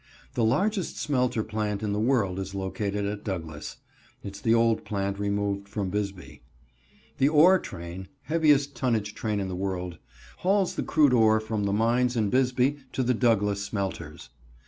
The largest smelter plant in the world is located at Douglas. (Its the old plant removed from Bisbee.) The ore train (heaviest tonnage train in the world) hauls the crude ore from the mines in Bisbee to the Douglas smelters.